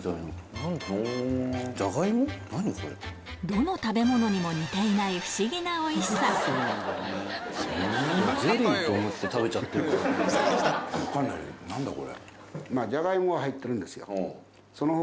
どの食べ物にも似ていない不思議なおいしさ何だこれ。